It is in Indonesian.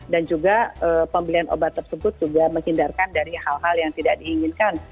dan juga pembelian obat tersebut juga menghindarkan dari hal hal yang tidak diinginkan